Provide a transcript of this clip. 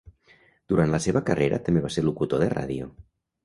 Durant la seva carrera també va ser locutor de ràdio.